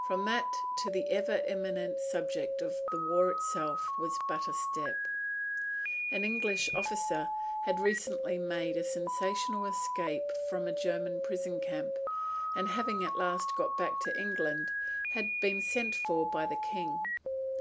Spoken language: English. From that to the ever imminent subject of the war itself was but a step. An English officer had recently made a sensational escape from a German prison camp, and having at last got back to England, had been sent for by the King.